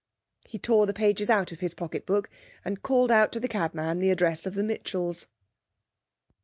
He tore the pages out of his pocket book, and called out to the cabman the address of the Mitchells.